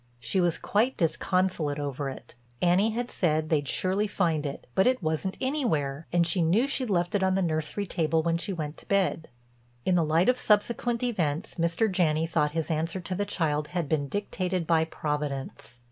She was quite disconsolate over it; Annie had said they'd surely find it, but it wasn't anywhere, and she knew she'd left it on the nursery table when she went to bed. In the light of subsequent events Mr. Janney thought his answer to the child had been dictated by Providence.